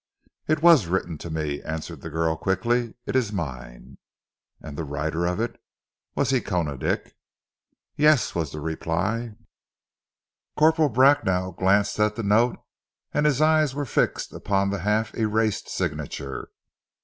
"It was written to me," answered the girl quickly. "It is mine." "And the writer of it? Was he Koona Dick?" "Yes," was the reply. Corporal Bracknell glanced at the note, and his eyes were fixed upon the half erased signature.